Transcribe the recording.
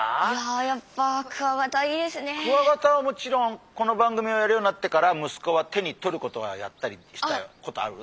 いややっぱクワガタはもちろんこの番組をやるようになってからむすこは手にとることはやったりしたことある？